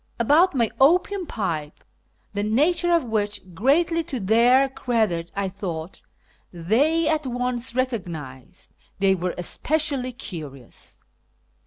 About my opium pipe, the nature of which (greatly to their credit, I thought) they at once recognised, they were especially curious.